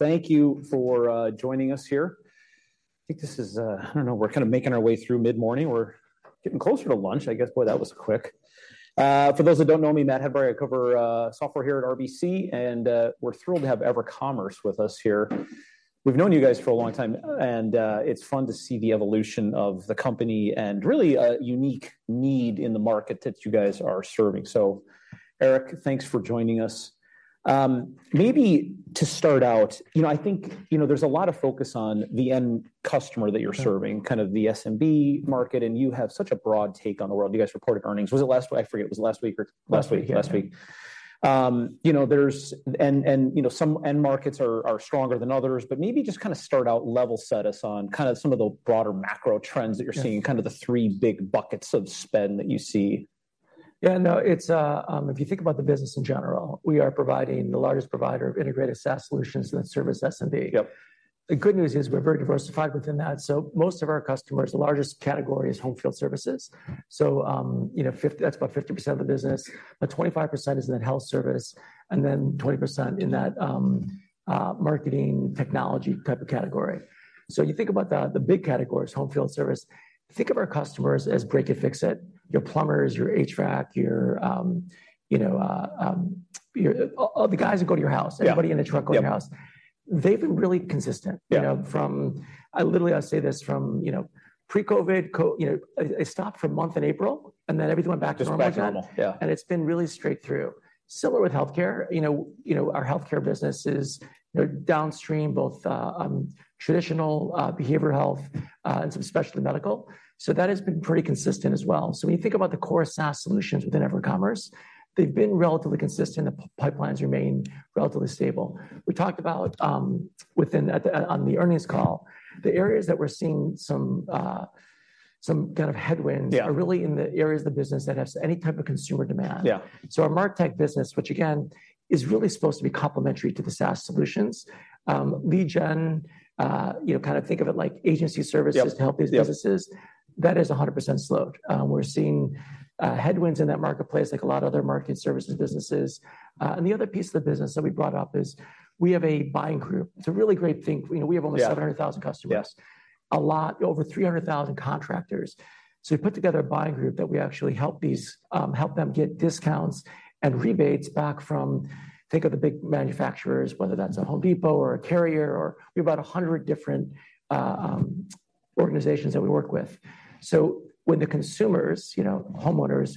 Thank you for joining us here. I think this is, I don't know, we're kind of making our way through mid-morning. We're getting closer to lunch, I guess. Boy, that was quick. For those that don't know me, Matt Hedberg, I cover software here at RBC, and we're thrilled to have EverCommerce with us here. We've known you guys for a long time, and it's fun to see the evolution of the company, and really a unique need in the market that you guys are serving. So Eric, thanks for joining us. Maybe to start out, you know, I think, you know, there's a lot of focus on the end customer that you're serving, kind of the SMB market, and you have such a broad take on the world. You guys reported earnings. Was it last week? I forget, it was last week or last week. Last week. Last week. You know, there's... And you know, some end markets are stronger than others, but maybe just kind of start out level-set us on kind of some of the broader macro trends that you're seeing, kind of the three big buckets of spend that you see. Yeah, no, it's if you think about the business in general, we are providing the largest provider of integrated SaaS solutions that service SMB. Yep. The good news is we're very diversified within that. So most of our customers, the largest category is home field services. So, you know, that's about 50% of the business, but 25% is in the health service, and then 20% in that, marketing technology type of category. So you think about the, the big categories, home field service, think of our customers as break it, fix it, your plumbers, your HVAC, your, you know, your... All, all the guys that go to your house. Yeah. Anybody in a truck go to your house. Yeah. They've been really consistent- Yeah... you know, from literally. I say this from, you know, pre-COVID. You know, it stopped for a month in April, and then everything went back to normal like that. Just back to normal. Yeah. And it's been really straight through. Similar with healthcare, you know, our healthcare business is, you know, downstream both traditional behavioral health and some specialty medical. So that has been pretty consistent as well. So when you think about the core SaaS solutions within EverCommerce, they've been relatively consistent. The pipelines remain relatively stable. We talked about, within, at the, on the earnings call, the areas that we're seeing some some kind of headwinds- Yeah... are really in the areas of the business that has any type of consumer demand. Yeah. So our MarTech business, which again is really supposed to be complementary to the SaaS solutions, lead gen, you know, kind of think of it like agency services- Yep... to help these businesses. Yeah. That is 100% slowed. We're seeing headwinds in that marketplace, like a lot of other market services businesses. And the other piece of the business that we brought up is we have a buying group. It's a really great thing. You know, we have almost- Yeah... 700,000 customers. Yeah. A lot, over 300,000 contractors. So we put together a buying group that we actually help these, help them get discounts and rebates back from, think of the big manufacturers, whether that's a Home Depot or a Carrier, or we have about 100 different organizations that we work with. So when the consumers, you know, homeowners,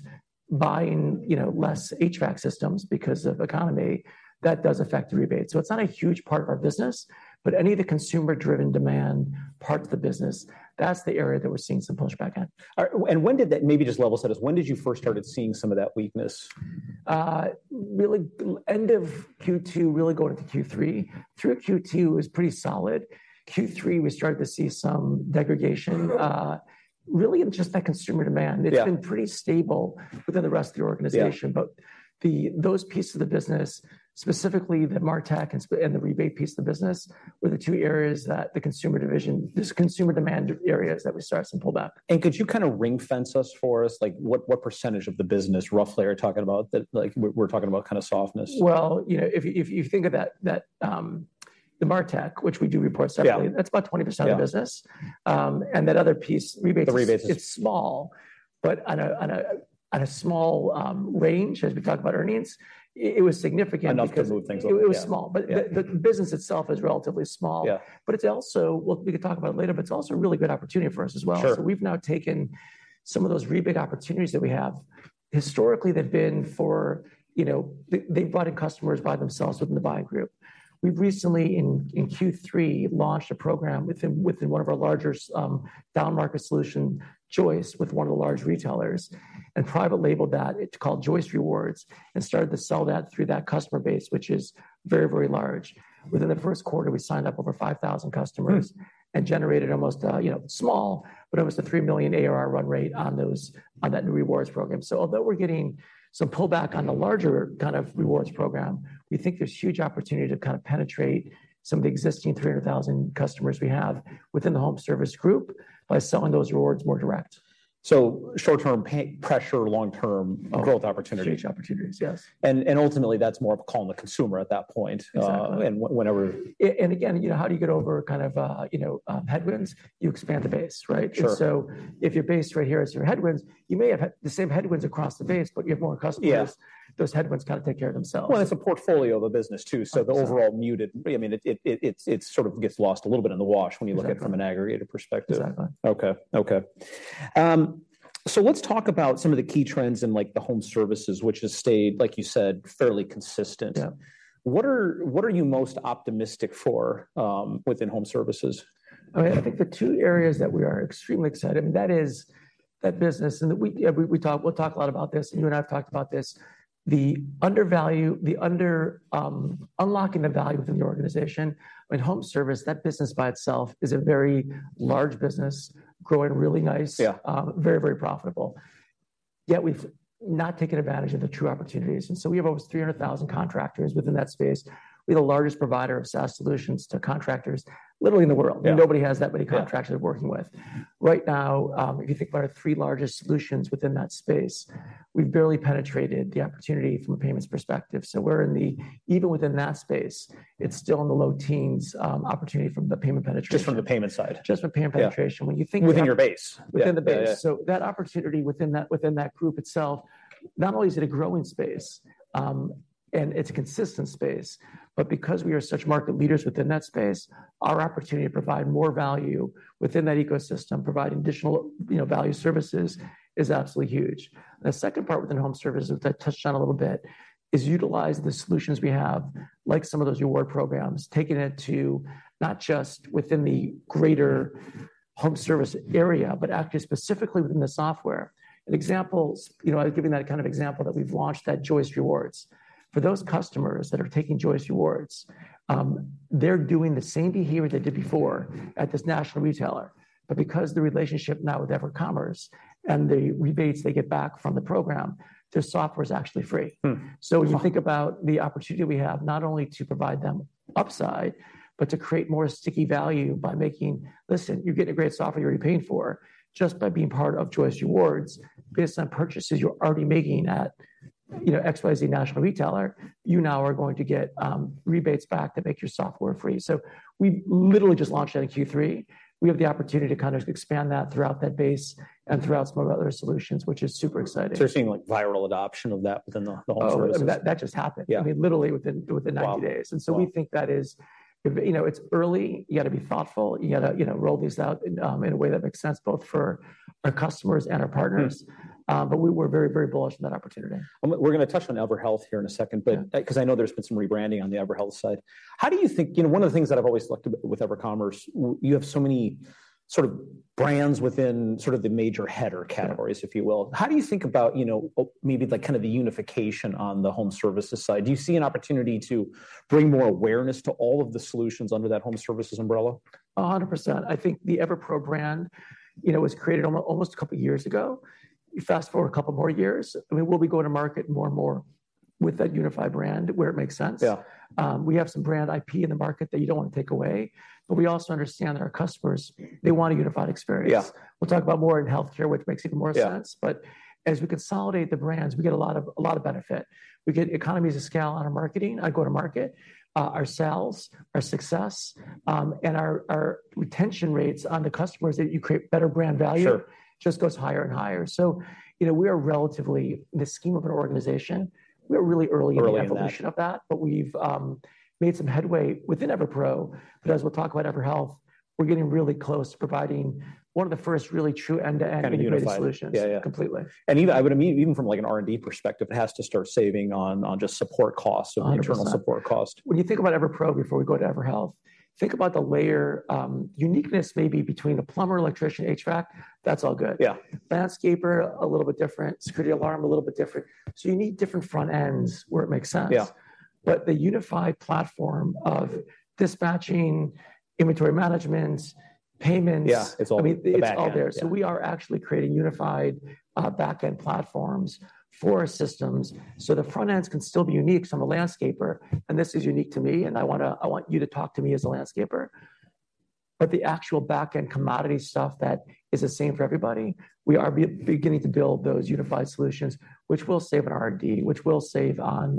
buying, you know, less HVAC systems because of economy, that does affect the rebate. So it's not a huge part of our business, but any of the consumer-driven demand parts of the business, that's the area that we're seeing some pushback on. When did that, maybe just level-set us, when did you first started seeing some of that weakness? Really end of Q2, really going into Q3. Through Q2 was pretty solid. Q3, we started to see some degradation, really in just that consumer demand. Yeah. It's been pretty stable within the rest of the organization. Yeah. But those pieces of the business, specifically the MarTech and the rebate piece of the business, were the two areas that the consumer division, this consumer demand areas, that we saw some pullback. Could you kind of ring-fence us for us? Like, what percentage of the business roughly are you talking about? That, like, we're talking about kind of softness. Well, you know, if you think of that, that, the MarTech, which we do report separately- Yeah... that's about 20% of the business. Yeah. That other piece, rebates- The rebates... it's small, but on a small range, as we talk about earnings, it was significant- Enough to move things, yeah. It was small. Yeah. But the business itself is relatively small. Yeah. It's also, well, we can talk about it later, but it's also a really good opportunity for us as well. Sure. So we've now taken some of those rebate opportunities that we have. Historically, they've been for, you know... They brought in customers by themselves within the buying group. We've recently, in Q3, launched a program within one of our larger downmarket solution, Joist, with one of the large retailers, and private labeled that. It's called Joist Rewards, and started to sell that through that customer base, which is very, very large. Within the Q1, we signed up over 5,000 customers.... and generated almost, you know, small, but almost a $3 million ARR run rate on those, on that new rewards program. So although we're getting some pullback on the larger kind of rewards program, we think there's huge opportunity to kind of penetrate some of the existing 300,000 customers we have within the home service group by selling those rewards more direct. So short-term pressure, long-term growth opportunity. Huge opportunities, yes. Ultimately, that's more of a call on the consumer at that point. Exactly. and whenever- And again, you know, how do you get over kind of, you know, headwinds? You expand the base, right? Sure. If your base right here is your headwinds, you may have had the same headwinds across the base, but you have more customers. Yeah. Those headwinds kind of take care of themselves. Well, it's a portfolio of a business too. Exactly. So the overall muted, I mean, it sort of gets lost a little bit in the wash when you look at it- Exactly... from an aggregated perspective. Exactly. Okay. Okay. Let's talk about some of the key trends in, like, the home services, which has stayed, like you said, fairly consistent. Yeah. What are you most optimistic for within home services? I mean, I think the two areas that we are extremely excited, and that is that business, and that we'll talk a lot about this, you and I have talked about this, the undervalued, the under, unlocking the value within the organization. I mean, home service, that business by itself is a very large business, growing really nice. Yeah. Very, very profitable... yet we've not taken advantage of the true opportunities. And so we have almost 300,000 contractors within that space. We're the largest provider of SaaS solutions to contractors, literally in the world. Yeah. Nobody has that many contractors- Yeah Working with. Right now, if you think about our three largest solutions within that space, we've barely penetrated the opportunity from a payments perspective. So we're in the, even within that space, it's still in the low teens, opportunity from the payment penetration. Just from the payment side? Just from payment penetration. Yeah. When you think about- Within your base? Within the base. Yeah, yeah, yeah. So that opportunity within that, within that group itself, not only is it a growing space, and it's a consistent space, but because we are such market leaders within that space, our opportunity to provide more value within that ecosystem, providing additional, you know, value services, is absolutely huge. The second part within home services that touched on a little bit, is utilizing the solutions we have, like some of those reward programs, taking it to not just within the greater home service area, but actually specifically within the software. And examples, you know, I've given that kind of example that we've launched, that Joist Rewards. For those customers that are taking Joist Rewards, they're doing the same behavior they did before at this national retailer, but because the relationship now with EverCommerce, and the rebates they get back from the program, their software is actually free. So when you think about the opportunity we have, not only to provide them upside, but to create more sticky value by making... Listen, you're getting a great software you're already paying for, just by being part of Joist Rewards, based on purchases you're already making at, you know, XYZ national retailer, you now are going to get rebates back that make your software free. So we literally just launched that in Q3. We have the opportunity to kind of expand that throughout that base and throughout some of our other solutions, which is super exciting. So you're seeing, like, viral adoption of that within the home services? Oh, that, that just happened. Yeah. I mean, literally within 90 days. Wow! Wow. So we think that is. You know, it's early. You got to be thoughtful. You got to, you know, roll these out in, in a way that makes sense both for our customers and our partners. But we were very, very bullish on that opportunity. We're gonna touch on EverHealth here in a second, but- Yeah... 'cause I know there's been some rebranding on the EverHealth side. How do you think? You know, one of the things that I've always liked with EverCommerce, you have so many sort of brands within sort of the major header categories, if you will. How do you think about, you know, maybe, like, kind of the unification on the home services side? Do you see an opportunity to bring more awareness to all of the solutions under that home services umbrella? 100%. I think the EverPro brand, you know, was created almost a couple of years ago. You fast-forward a couple more years, I mean, we'll be going to market more and more with that unified brand where it makes sense. Yeah. We have some brand IP in the market that you don't want to take away, but we also understand that our customers, they want a unified experience. Yeah. We'll talk about more in healthcare, which makes even more sense. Yeah. As we consolidate the brands, we get a lot of, a lot of benefit. We get economies of scale on our marketing, our go-to-market, our sales, our success, and our retention rates on the customers, that you create better brand value. Sure ... just goes higher and higher. So, you know, we are relatively, in the scheme of an organization, we're really early- Early in that... in the evolution of that, but we've made some headway within EverPro. But as we'll talk about EverHealth, we're getting really close to providing one of the first really true end-to-end- Kind of unified.... integrated solutions. Yeah, yeah. Completely. Even from, like, an R&D perspective, it has to start saving on just support costs- Hundred percent... on internal support cost. When you think about EverPro, before we go to EverHealth, think about the layer, uniqueness maybe between a plumber, electrician, HVAC, that's all good. Yeah. Landscaper, a little bit different. Security alarm, a little bit different. So you need different front ends where it makes sense. Yeah. The unified platform of dispatching, inventory management, payments- Yeah, it's all the back end.... I mean, it's all there. Yeah. So we are actually creating unified back-end platforms for our systems. So the front ends can still be unique. So I'm a landscaper, and this is unique to me, and I wanna, I want you to talk to me as a landscaper. But the actual back-end commodity stuff that is the same for everybody, we are beginning to build those unified solutions, which will save on R&D, which will save on,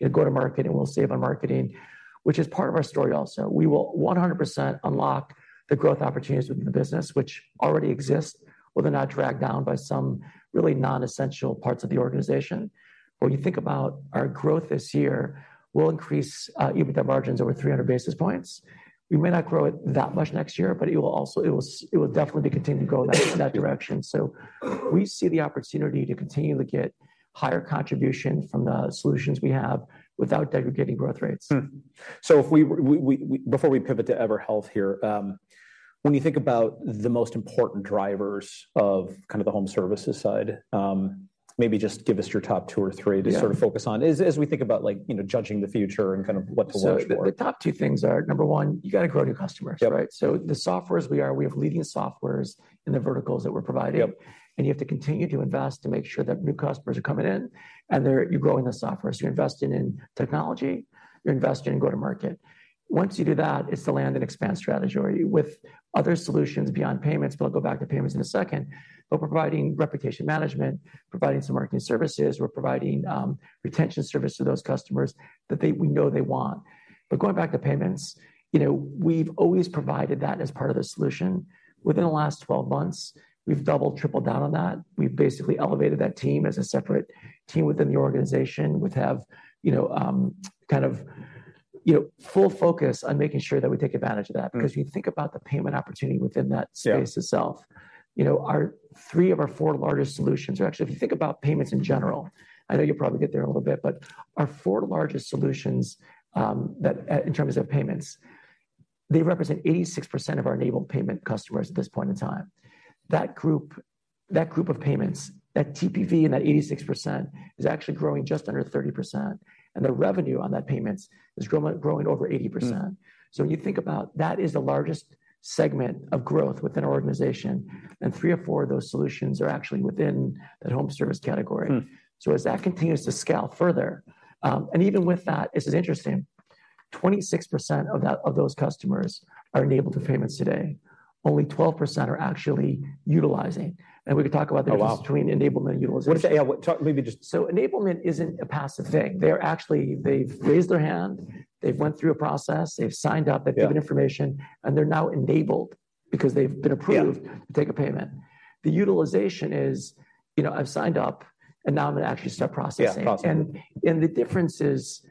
you know, go-to-market, and we'll save on marketing, which is part of our story also. We will 100% unlock the growth opportunities within the business, which already exist, whether or not dragged down by some really non-essential parts of the organization. When you think about our growth this year, we'll increase EBITDA margins over 300 basis points. We may not grow it that much next year, but it will also, it will definitely be continuing to go in that, in that direction. So we see the opportunity to continue to get higher contribution from the solutions we have without degrading growth rates. So before we pivot to EverHealth here, when you think about the most important drivers of kind of the home services side, maybe just give us your top two or three? Yeah... to sort of focus on. As we think about, like, you know, judging the future and kind of what to watch for. So the top two things are, number one, you got to grow new customers. Yeah. Right? So the softwares we have leading softwares in the verticals that we're providing. Yep. And you have to continue to invest to make sure that new customers are coming in, and they're... You're growing the software. So you're investing in technology, you're investing in go-to-market. Once you do that, it's the land and expand strategy with other solutions beyond payments, but I'll go back to payments in a second. We're providing reputation management, providing some marketing services, we're providing retention service to those customers that we know they want. But going back to payments, you know, we've always provided that as part of the solution. Within the last 12 months, we've doubled, tripled down on that. We've basically elevated that team as a separate team within the organization, which have, you know, kind of, you know, full focus on making sure that we take advantage of that. Because if you think about the payment opportunity within that space itself- Yeah... you know, our three of our four largest solutions, or actually, if you think about payments in general, I know you'll probably get there in a little bit, but our four largest solutions, in terms of payments, they represent 86% of our enabled payment customers at this point in time. That group, that group of payments, that TPV and that 86% is actually growing just under 30%, and the revenue on that payments is growing over 80%. So when you think about that, that is the largest segment of growth within our organization, and three or four of those solutions are actually within that home service category. So as that continues to scale further. Even with that, this is interesting, 26% of that, of those customers are enabled to payments today. Only 12% are actually utilizing, and we can talk about- Oh, wow! the difference between enablement and utilization. What is the... Yeah, well, talk maybe just- So enablement isn't a passive thing. They're actually. They've raised their hand, they've went through a process, they've signed up- Yeah... they've given information, and they're now enabled because they've been approved- Yeah to take a payment. The utilization is, you know, I've signed up, and now I'm going to actually start processing. Yeah, processing. And the difference is,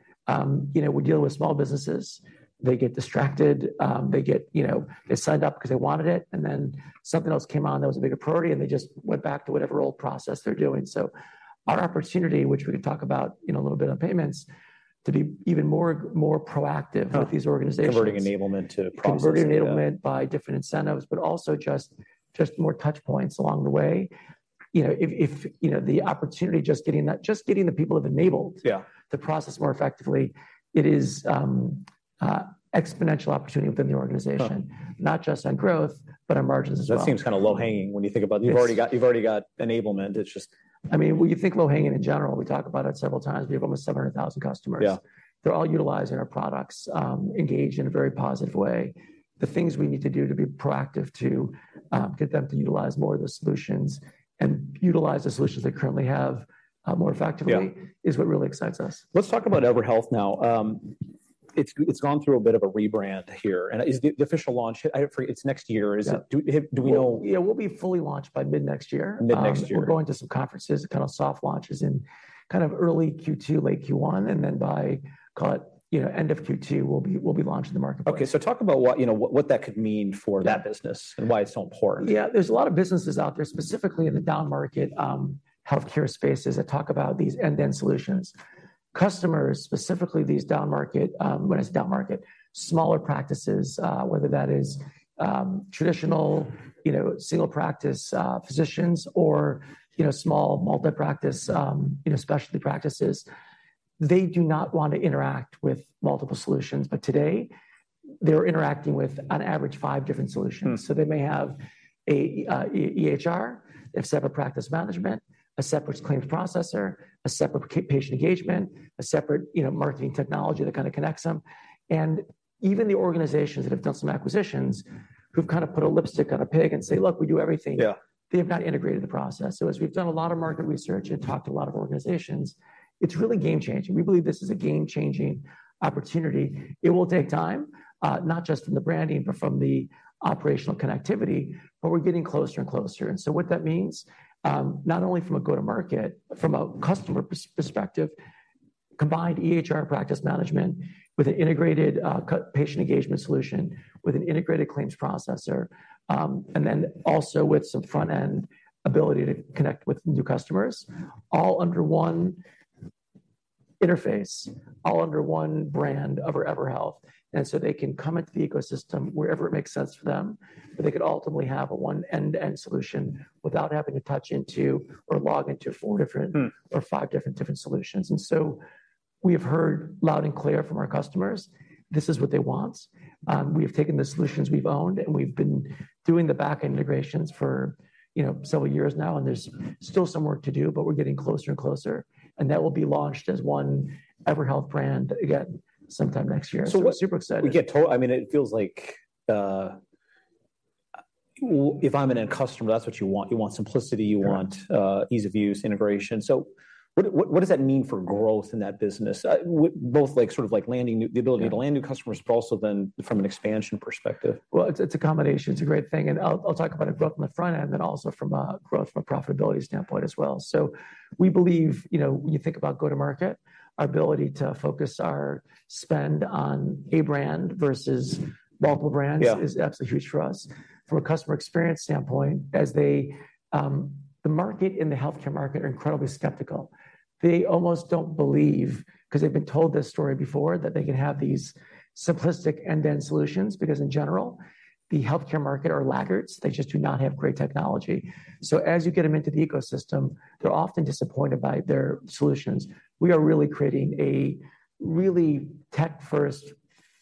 you know, we're dealing with small businesses. They get distracted, they get, you know, they signed up cause they wanted it, and then something else came on that was a bigger priority, and they just went back to whatever old process they're doing. So our opportunity, which we can talk about, you know, a little bit on payments, to be even more proactive- - with these organizations. Converting enablement to process. Converting enablement by different incentives, but also just more touch points along the way. You know, if you know, the opportunity just getting the people who have enabled- Yeah to process more effectively, it is, exponential opportunity within the organization- not just on growth, but on margins as well. That seems kind of low-hanging when you think about it. It's- You've already got, you've already got enablement. It's just... I mean, when you think low-hanging in general, we talk about it several times. We have almost 700,000 customers. Yeah. They're all utilizing our products, engaged in a very positive way. The things we need to do to be proactive to get them to utilize more of the solutions and utilize the solutions they currently have more effectively- Yeah - is what really excites us. Let's talk about EverHealth now. It's gone through a bit of a rebrand here, and is the official launch. It's next year. Yeah. Is it? Do we know? Yeah, we'll be fully launched by mid-next year. Mid-next year. We're going to some conferences and kind of soft launches in kind of early Q2, late Q1, and then by, call it, you know, end of Q2, we'll be launching the marketplace. Okay, so talk about what, you know, that could mean for that business- Yeah - and why it's so important. Yeah, there's a lot of businesses out there, specifically in the downmarket, healthcare spaces, that talk about these end-to-end solutions. Customers, specifically these downmarket. When I say downmarket, smaller practices, whether that is, traditional, you know, single practice, physicians or, you know, small multi-practice, you know, specialty practices, they do not want to interact with multiple solutions. But today, they're interacting with, on average, five different solutions. So they may have a EHR, they have separate practice management, a separate claims processor, a separate patient engagement, a separate, you know, marketing technology that kind of connects them. And even the organizations that have done some acquisitions, who've kind of put a lipstick on a pig and say: "Look, we do everything. Yeah. They have not integrated the process. So as we've done a lot of market research and talked to a lot of organizations, it's really game changing. We believe this is a game-changing opportunity. It will take time, not just from the branding, but from the operational connectivity, but we're getting closer and closer. And so what that means, not only from a go-to-market, but from a customer perspective, combined EHR and practice management with an integrated patient engagement solution, with an integrated claims processor, and then also with some front-end ability to connect with new customers, all under one interface, all under one brand of EverHealth. And so they can come into the ecosystem wherever it makes sense for them, but they could ultimately have a one end-to-end solution without having to touch into or log into four different-... or five different solutions. And so we have heard loud and clear from our customers. This is what they want. We have taken the solutions we've owned, and we've been doing the back-end integrations for, you know, several years now, and there's still some work to do, but we're getting closer and closer, and that will be launched as one EverHealth brand again sometime next year. So what- Super excited. We get to... I mean, it feels like, if I'm an end customer, that's what you want. You want simplicity. Yeah... you want, ease of use, integration. So what does that mean for growth in that business, both like sort of like landing new, the ability- Yeah... to land new customers, but also then from an expansion perspective? Well, it's a combination. It's a great thing, and I'll talk about it both from the front end and also from a growth and profitability standpoint as well. So we believe, you know, when you think about go-to-market, our ability to focus our spend on a brand versus multiple brands. Yeah... is absolutely huge for us. From a customer experience standpoint, as they... The market and the healthcare market are incredibly skeptical. They almost don't believe, 'cause they've been told this story before, that they can have these simplistic end-to-end solutions, because in general, the healthcare market are laggards. They just do not have great technology. So as you get them into the ecosystem, they're often disappointed by their solutions. We are really creating a really tech-first,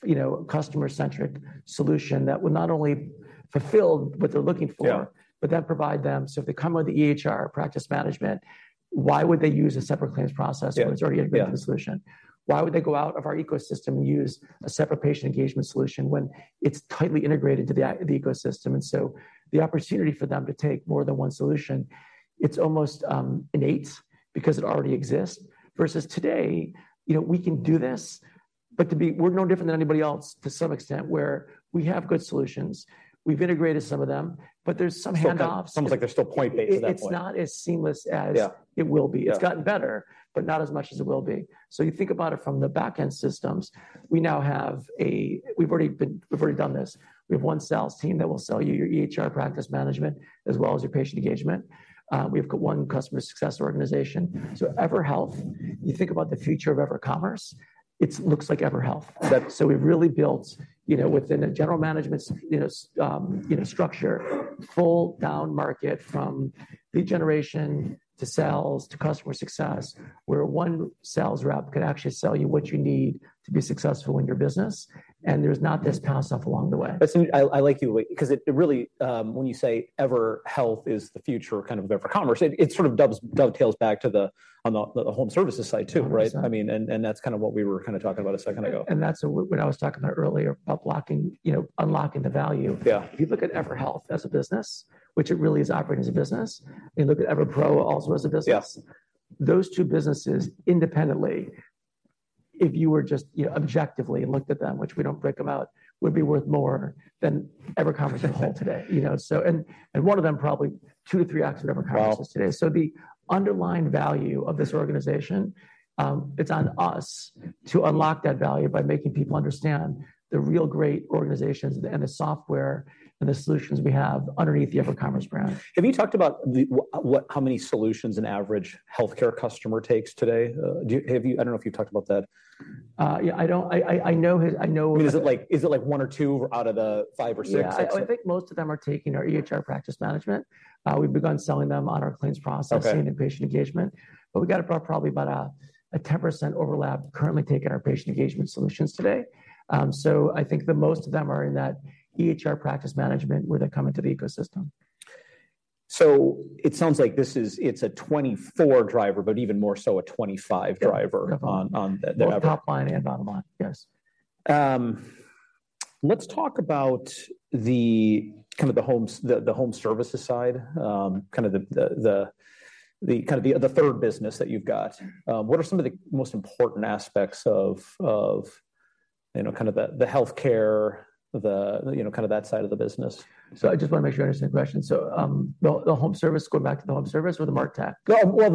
you know, customer-centric solution that will not only fulfill what they're looking for- Yeah... but then provide them. So if they come with the EHR practice management, why would they use a separate claims process- Yeah... when it's already built in the solution? Why would they go out of our ecosystem and use a separate patient engagement solution when it's tightly integrated to the ecosystem? And so the opportunity for them to take more than one solution, it's almost innate because it already exists. Versus today, you know, we can do this, but we're no different than anybody else to some extent, where we have good solutions, we've integrated some of them, but there's some handoffs. Sounds like they're still point-based at that point. It's not as seamless as- Yeah... it will be. Yeah. It's gotten better, but not as much as it will be. So you think about it from the back-end systems, we now have. We've already done this. We have one sales team that will sell you your EHR practice management, as well as your patient engagement. We've got one customer success organization. So EverHealth, you think about the future of EverCommerce, it looks like EverHealth. Right. We've really built, you know, within a general management, you know, structure, full downmarket, from lead generation, to sales, to customer success, where one sales rep could actually sell you what you need to be successful in your business, and there's not this passoff along the way. I see, I like you because it really, when you say EverHealth is the future, kind of EverCommerce, it sort of dovetails back to the, on the, the home services side too, right? Hundred percent. I mean, and, and that's kind of what we were kind of talking about a second ago. That's what I was talking about earlier, about blocking, you know, unlocking the value. Yeah. If you look at EverHealth as a business, which it really is operating as a business, you look at EverPro also as a business. Yeah. Those two businesses independently if you were just, you know, objectively looked at them, which we don't break them out, would be worth more than EverCommerce as a whole today. You know, so one of them probably 2-3x of EverCommerce today. Well- The underlying value of this organization, it's on us to unlock that value by making people understand the real great organizations and the software, and the solutions we have underneath the EverCommerce brand. Have you talked about how many solutions an average healthcare customer takes today? I don't know if you've talked about that. Yeah, I don't, I know, I know. I mean, is it like, is it like 1 or 2 out of the 5 or 6? Yeah, I think most of them are taking our EHR practice management. We've begun selling them on our claims processing- Okay... and patient engagement. But we've got about, probably about a 10% overlap currently taking our patient engagement solutions today. So I think that most of them are in that EHR practice management, where they come into the ecosystem. It sounds like it's a 2024 driver, but even more so, a 2025 driver. Yep. on the Ever- Both top line and bottom line, yes. Let's talk about the home services side, kind of the third business that you've got. What are some of the most important aspects of, you know, kind of the healthcare, you know, kind of that side of the business? So I just want to make sure I understand the question. So, the home service, going back to the home service or the MarTech? Well,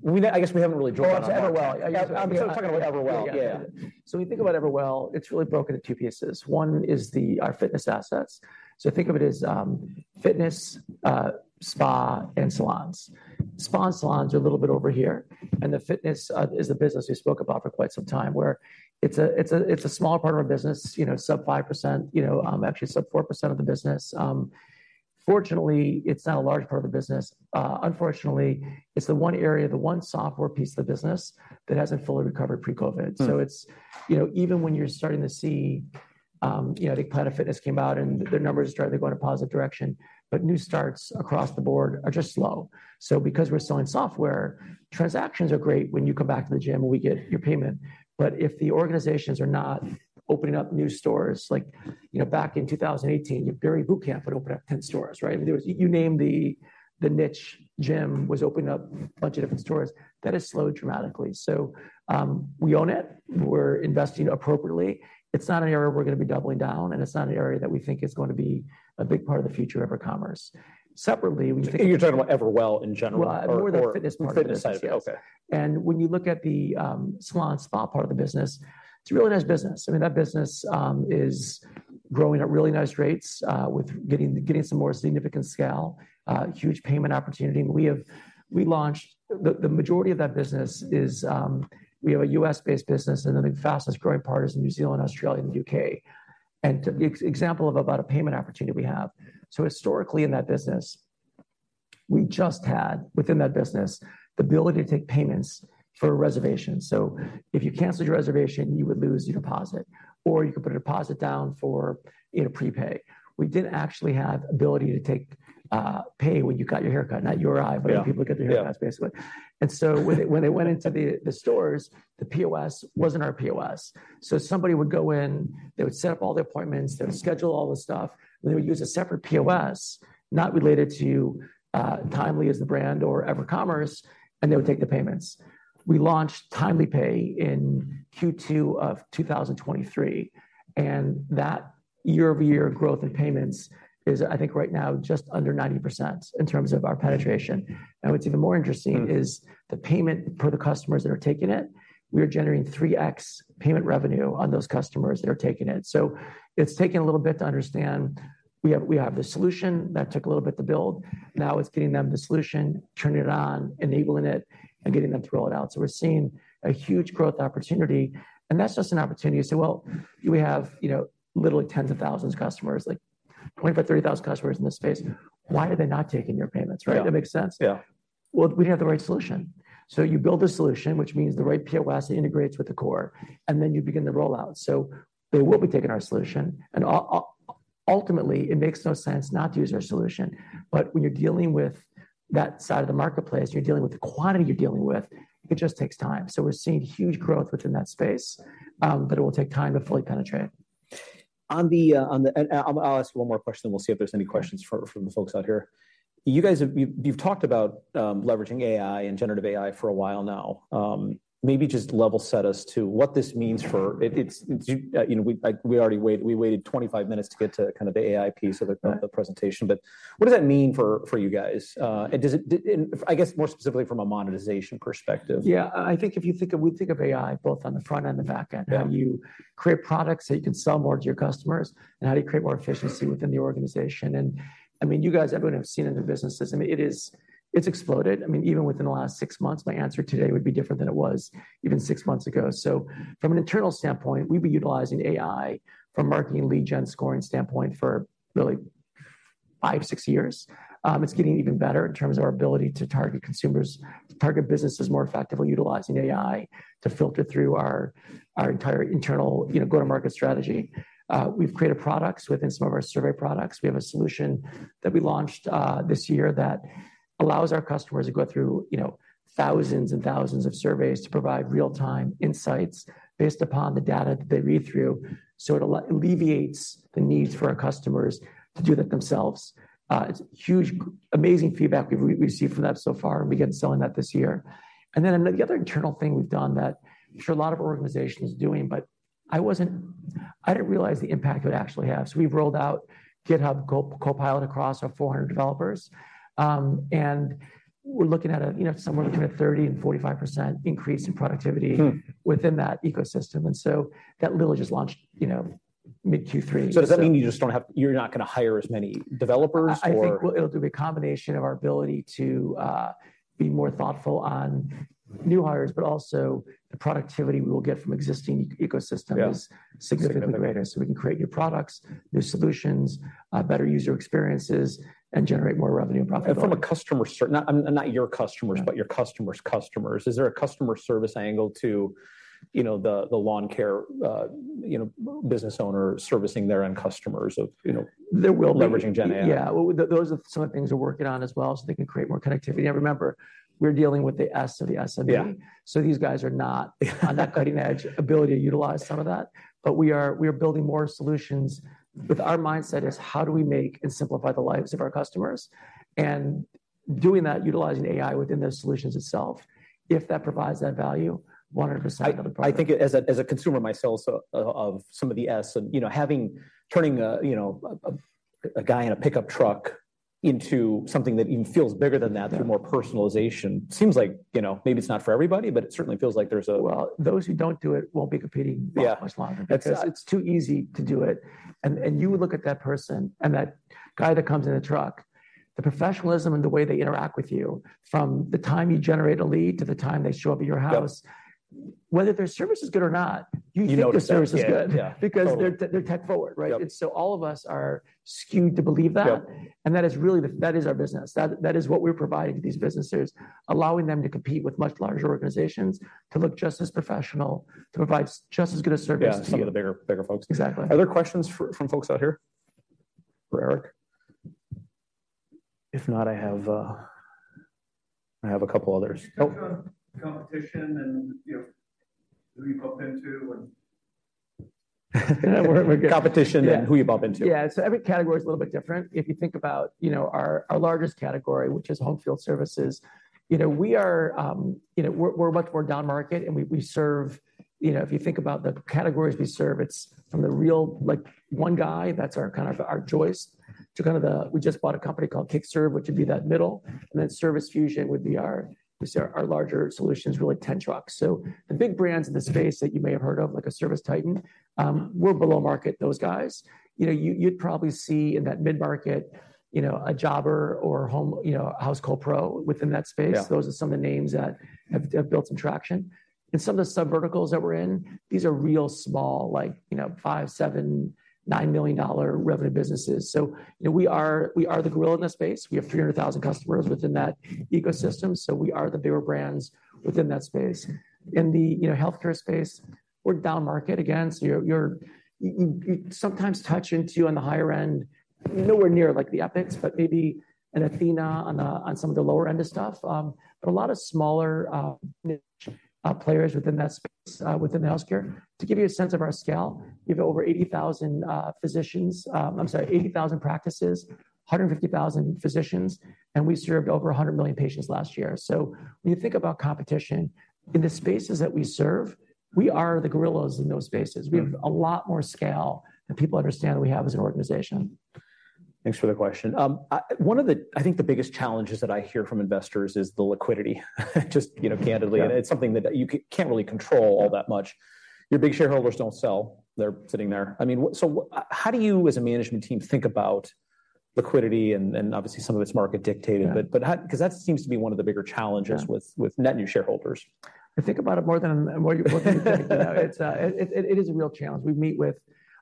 we, I guess we haven't really talked about that. Well, EverWell. I'm still talking about EverWell, yeah. So when we think about EverWell, it's really broken in two pieces. One is our fitness assets. So think of it as fitness, spa, and salons. Spa and salons are a little bit over here, and the fitness is the business we spoke about for quite some time, where it's a small part of our business, you know, sub 5%, you know, actually sub 4% of the business. Fortunately, it's not a large part of the business. Unfortunately, it's the one area, the one software piece of the business that hasn't fully recovered pre-COVID. So it's... You know, even when you're starting to see, you know, I think Planet Fitness came out, and their numbers started going in a positive direction, but new starts across the board are just slow. So because we're selling software, transactions are great when you come back to the gym, and we get your payment. But if the organizations are not opening up new stores, like, you know, back in 2018, your Barry's Bootcamp would open up 10 stores, right? There was-- you name the, the niche gym was opening up a bunch of different stores. That has slowed dramatically. So, we own it. We're investing appropriately. It's not an area we're going to be doubling down, and it's not an area that we think is going to be a big part of the future of EverCommerce. Separately, we think- You're talking about EverWell in general- Well, more the fitness part- The fitness side, okay. When you look at the salon and spa part of the business, it's a really nice business. I mean, that business is growing at really nice rates with getting some more significant scale, huge payment opportunity. We launched. The majority of that business is we have a U.S.-based business, and the fastest growing part is in New Zealand, Australia, and the U.K. The example of a payment opportunity we have, so historically in that business, we just had within that business the ability to take payments for a reservation. So if you canceled your reservation, you would lose your deposit, or you could put a deposit down for, you know, prepay. We didn't actually have ability to take pay when you got your haircut, not your eye- Yeah. But when people get their haircuts, basically. Yeah. And so when they went into the stores, the POS wasn't our POS. So somebody would go in, they would set up all the appointments, they would schedule all the stuff, and they would use a separate POS, not related to Timely as the brand or EverCommerce, and they would take the payments. We launched Timely Pay in Q2 of 2023, and that year-over-year growth in payments is, I think right now, just under 90% in terms of our penetration. Now, what's even more interesting- is the payment for the customers that are taking it, we are generating 3x payment revenue on those customers that are taking it. So it's taken a little bit to understand. We have, we have the solution that took a little bit to build. Now, it's getting them the solution, turning it on, enabling it, and getting them to roll it out. So we're seeing a huge growth opportunity, and that's just an opportunity to say, well, we have, you know, literally tens of thousands of customers, like 25-30,000 customers in this space. Why are they not taking your payments, right? Yeah. That makes sense. Yeah. Well, we have the right solution. So you build a solution, which means the right POS integrates with the core, and then you begin the rollout. So they will be taking our solution, and ultimately, it makes no sense not to use our solution. But when you're dealing with that side of the marketplace, you're dealing with the quantity you're dealing with, it just takes time. So we're seeing huge growth within that space, but it will take time to fully penetrate. On the... And I'll ask you one more question, then we'll see if there's any questions from the folks out here. You guys, you've talked about leveraging AI and generative AI for a while now. Maybe just level set us to what this means for... It's, you know, we like we already waited 25 minutes to get to kind of the AI piece of the- Right ...the presentation, but what does that mean for you guys? And does it, and I guess more specifically from a monetization perspective. Yeah, I think we think of AI both on the front end and the back end. Yeah. How you create products, so you can sell more to your customers, and how do you create more efficiency within the organization? I mean, you guys, everyone have seen it in the businesses. I mean, it's exploded. I mean, even within the last six months, my answer today would be different than it was even six months ago. From an internal standpoint, we've been utilizing AI from marketing lead gen scoring standpoint for really five, six years. It's getting even better in terms of our ability to target consumers, to target businesses more effectively, utilizing AI to filter through our, our entire internal, you know, go-to-market strategy. We've created products within some of our service products. We have a solution that we launched this year that allows our customers to go through, you know, thousands and thousands of surveys to provide real-time insights based upon the data that they read through. So it alleviates the need for our customers to do that themselves. It's huge, amazing feedback we've received from that so far, and began selling that this year. Then, the other internal thing we've done that I'm sure a lot of organizations are doing, but I didn't realize the impact it would actually have. So we've rolled out GitHub Copilot across our 400 developers, and we're looking at somewhere 30 to 45% increase in productivity- Within that ecosystem. And so that literally just launched, you know, mid Q3. So does that mean you just don't have, you're not gonna hire as many developers, or? I think what it'll be a combination of our ability to be more thoughtful on new hires, but also the productivity we will get from existing ecosystem- Yeah is significantly greater. So we can create new products, new solutions, better user experiences, and generate more revenue and profitability. From a customer perspective, not your customers. Yeah but your customer's customers. Is there a customer service angle to, you know, the lawn care, you know, business owner servicing their own customers of, you know- There will be. Leveraging gen AI? Yeah, well, those are some of the things we're working on as well, so they can create more connectivity. And remember, we're dealing with the S of the SMB. Yeah. So these guys are not on that cutting edge ability to utilize some of that. But we are. We are building more solutions with our mindset is how do we make and simplify the lives of our customers? And doing that, utilizing AI within those solutions itself, if that provides that value, 100% of the product. I think as a consumer myself, so of some of the S, and you know, having, turning a you know a guy in a pickup truck into something that even feels bigger than that- Yeah through more personalization, seems like, you know, maybe it's not for everybody, but it certainly feels like there's a Well, those who don't do it won't be competing- Yeah -much longer. That's- It's too easy to do it. And you look at that person, and that guy that comes in a truck, the professionalism and the way they interact with you, from the time you generate a lead to the time they show up at your house- Yep... whether their service is good or not- You know it. You think their service is good. Yeah. Totally. Because they're tech forward, right? Yep. And so all of us are skewed to believe that. Yep. That is really that is our business. That, that is what we're providing to these businesses, allowing them to compete with much larger organizations, to look just as professional, to provide just as good a service as- Yeah -them. Some of the bigger, bigger folks. Exactly. Other questions from folks out here for Eric? If not, I have a couple others. Yep. On competition, you know, who you bump into, and... Competition- Yeah and who you bump into. Yeah, so every category is a little bit different. If you think about, you know, our largest category, which is home field services, you know, we are, you know, we're much more down market, and we serve— You know, if you think about the categories we serve, it's from the real, like one guy, that's our kind of, our choice, to kind of the... We just bought a company called Kickserv, which would be that middle, and then Service Fusion would be our, just our larger solutions, really, 10 trucks. So the big brands in this space that you may have heard of, like a ServiceTitan, we're below market, those guys. You know, you'd probably see in that mid-market, you know, a Jobber or home, you know, Housecall Pro within that space. Yeah. Those are some of the names that have built some traction. Some of the sub verticals that we're in, these are real small, like, you know, $5 million, $7 million, $9 million revenue businesses. So, you know, we are the gorilla in this space. We have 300,000 customers within that ecosystem, so we are the bigger brands within that space. In the, you know, healthcare space, we're downmarket again, so you sometimes touch into, on the higher end, nowhere near, like the Epic, but maybe an Athena on the, on some of the lower end of stuff. But a lot of smaller, niche players within that space, within the healthcare. To give you a sense of our scale, we have over 80,000 practices, 150,000 physicians, and we served over 100 million patients last year. So when you think about competition, in the spaces that we serve, we are the gorillas in those spaces. We have a lot more scale than people understand we have as an organization. Thanks for the question. One of the, I think, the biggest challenges that I hear from investors is the liquidity. Just, you know, candidly- Yeah and it's something that you can't really control all that much. Your big shareholders don't sell. They're sitting there. I mean, so how do you, as a management team, think about liquidity? And, and obviously, some of it's market dictated. Yeah... but how, 'cause that seems to be one of the bigger challenges? Yeah with net new shareholders. I think about it more than you think. You know, it's a real challenge. We meet with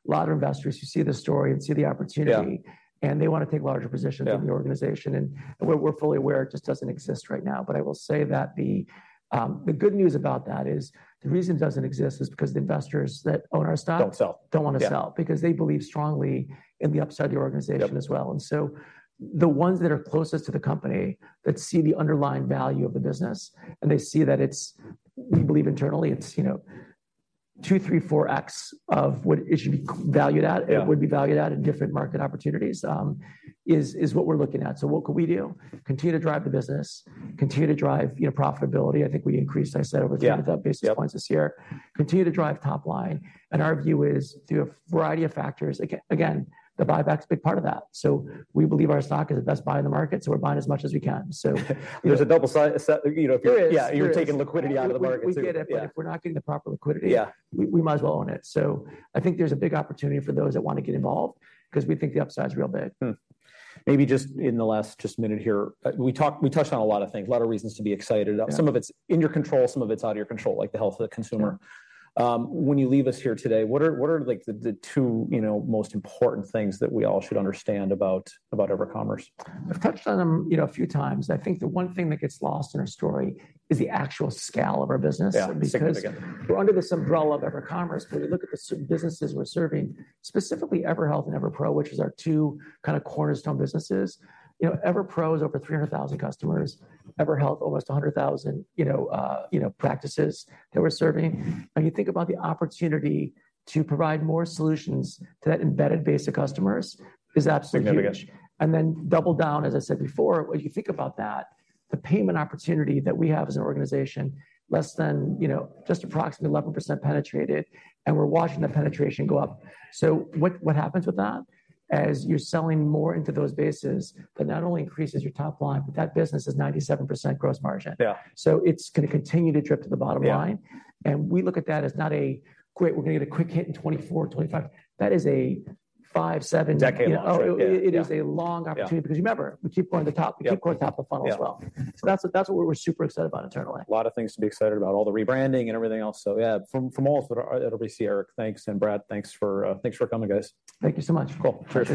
a lot of investors who see the story and see the opportunity. Yeah They want to take larger positions. Yeah in the organization. And we're fully aware it just doesn't exist right now, but I will say that the, the good news about that is, the reason it doesn't exist is because the investors that own our stock- Don't sell... don't want to sell. Yeah. Because they believe strongly in the upside of the organization as well. Yep. And so the ones that are closest to the company, that see the underlying value of the business, and they see that it's... We believe internally, it's, you know, 2, 3, 4x of what it should be valued at- Yeah... it would be valued at in different market opportunities, is what we're looking at. So what could we do? Continue to drive the business, continue to drive, you know, profitability. I think we increased, I said, over- Yeah -basis points this year. Yep. Continue to drive top line, and our view is through a variety of factors. Again, the buyback's a big part of that. So we believe our stock is the best buy in the market, so we're buying as much as we can, so. There's a double side, so, you know, if you're- There is.... Yeah, you're taking liquidity out of the market too. We get it. Yeah. But if we're not getting the proper liquidity- Yeah... we might as well own it. So I think there's a big opportunity for those that wanna get involved 'cause we think the upside is real big. Maybe just in the last just minute here, we talked, we touched on a lot of things, a lot of reasons to be excited. Yeah. Some of it's in your control, some of it's out of your control, like the health of the consumer. Yeah. When you leave us here today, what are, like, the two, you know, most important things that we all should understand about EverCommerce? I've touched on them, you know, a few times. I think the one thing that gets lost in our story is the actual scale of our business. Yeah, significant. Because we're under this umbrella of EverCommerce, but you look at the businesses we're serving, specifically EverHealth and EverPro, which is our two kind of cornerstone businesses. You know, EverPro is over 300,000 customers, EverHealth, almost 100,000, you know, practices that we're serving. When you think about the opportunity to provide more solutions to that embedded base of customers, is absolutely huge. Significant. And then double down, as I said before, when you think about that, the payment opportunity that we have as an organization, less than, you know, just approximately 11% penetrated, and we're watching the penetration go up. So what, what happens with that? As you're selling more into those bases, but not only increases your top line, but that business is 97% gross margin. Yeah. It's gonna continue to drip to the bottom line. Yeah. We look at that as not a quick, we're gonna get a quick hit in 2024, 2025. Yeah. That is a 57- Decade-long... Oh, it is, it is a long opportunity. Yeah. Because remember, we keep going to the top. Yep. We keep going top of funnel as well. Yeah. That's, that's what we're super excited about internally. A lot of things to be excited about, all the rebranding and everything else. So, yeah, from all of us at EverCommerce, Eric, thanks, and Brad, thanks for coming, guys. Thank you so much. Cool. Cheers.